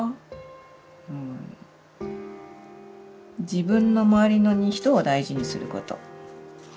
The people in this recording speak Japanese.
「自分のまわりの人を大事にすること」。